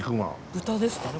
豚ですかね？